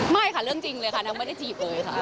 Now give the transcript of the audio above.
ไม่ค่ะเรื่องจริงเลยค่ะนางไม่ได้จีบเลยค่ะ